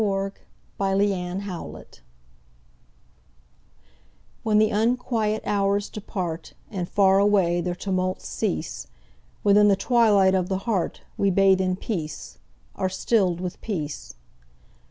The Hour of Twilight WHEN the unquiet hours departAnd far away their tumults cease, Within the twilight of the heartWe bathe in peace, are stilled with peace.